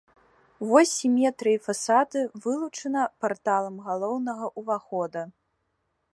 Вось сіметрыі фасада вылучана парталам галоўнага ўвахода.